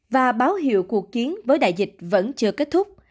và báo hiệu cuộc chiến với đại dịch vẫn chưa kết thúc